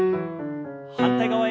反対側へ。